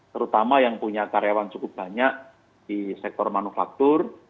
terutama yang punya karyawan cukup banyak di sektor manufaktur